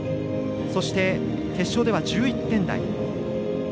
そして、決勝では１１点台。